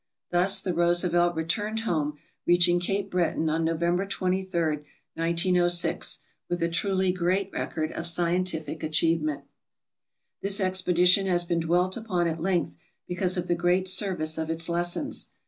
Thus the "Roosevelt" returned home, reaching Cape Breton on November 23, 1906, with a truly great record of scientific achievement. This expedition has been dwelt upon at length because of the great service of its lessons.